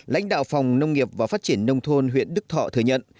lãnh đạo phòng nông nghiệp và phát triển nông thôn huyện đức thọ thừa nhận